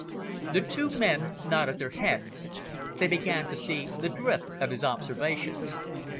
The two men nodded their heads. They began to see the drift of his observations.